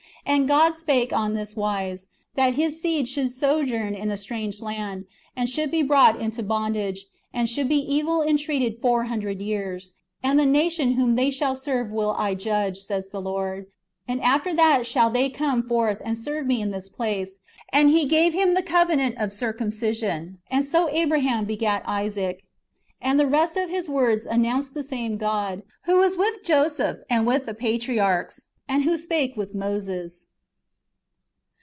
... And God spake on this wise. That his seed should sojourn in a strange land, and should be brought into bondage, and should be evil entreated four hundred years ; and the nation wdiom they shall serve will I judge, says the Lord. And after that shall they come forth, and serve me in this place. And He gave him the covenant of circumcision : and so [Abraham] begat Isaac." ^ And the rest of his words announce the same God, who was with Joseph and with the patriarchs, and who spake with Moses.